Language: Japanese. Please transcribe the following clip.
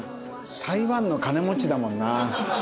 台湾の金持ちだもんな。